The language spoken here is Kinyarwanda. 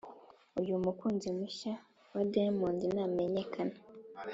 uyu mukunzi mushya wa diamond namenyekana